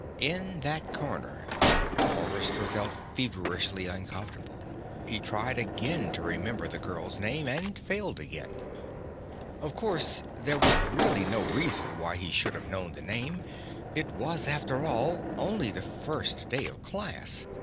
In that corner, Forrester felt feverishly uncomfortable. He tried again to remember the girl's name, and failed again. Of course, there was really no reason why he should have known the name. It was, after all, only the first day of class.